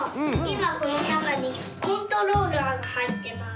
まこのなかにコントローラーがはいってます。